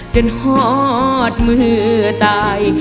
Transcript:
หอดมือตาย